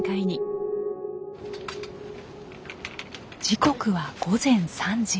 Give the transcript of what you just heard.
時刻は午前３時。